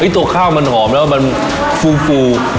ตัวข้าวมันหอมแล้วมันฟู